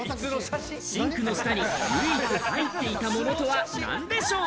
シンクの下に唯一入っていたものとは何でしょう？